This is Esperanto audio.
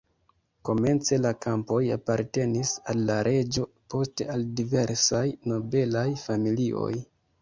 Komence la kampoj apartenis al la reĝo, poste al diversaj nobelaj familioj.